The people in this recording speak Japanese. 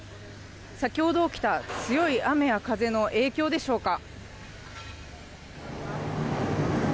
先ほど起きた強い雨や風の影響でしょうか。